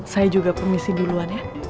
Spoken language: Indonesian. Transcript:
saya juga permisi duluan ya